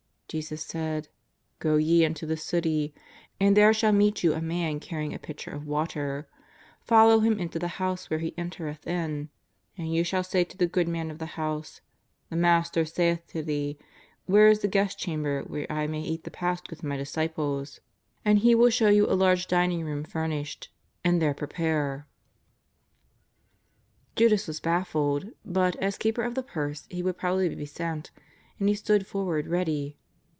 Jesus said :" Go ye into the city, and there shall meet you a man carrying a pitcher of water. Follow him into the house where he entereth in. And you shall say to the good man of the house: The Master saith to thee, Where is the guest chamber where I may eat the Pasch with My disciples? And he will show you a large dining room furnished, and there prepare." 324 JESUS OF NAZARETH. Judas was baffled, but, as keeper of the purse, be would probably be sent, and he stood forward ready.